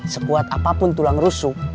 sekuat apapun tulang rusuk